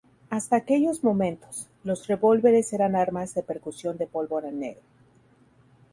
Hasta aquellos momentos, los revólveres eran armas de percusión de pólvora negra.